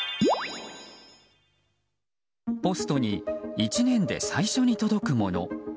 ポストに１年で最初に届くもの。